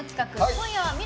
今夜はＭ！